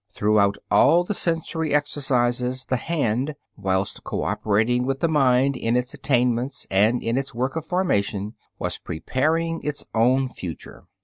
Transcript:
Throughout all the sensory exercises the hand, whilst cooperating with the mind in its attainments and in its work of formation, was preparing its own future.